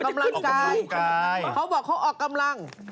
เขาบอกเขาออกกำลัง